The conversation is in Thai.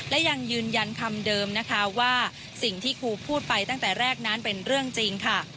และยังยืนยันคำเดิมนะคะว่าสิ่งที่ครูพูดไปตั้งแต่แรกนั้นเป็นเรื่องจริงค่ะ